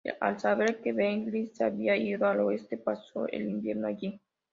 Al saber que Genghis se había ido al oeste, pasó el invierno allí.